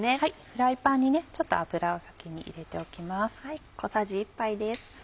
フライパンにちょっと油を先に入れておきます。